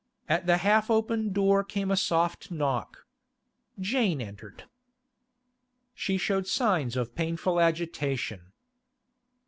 At the half open door came a soft knock. Jane entered. She showed signs of painful agitation.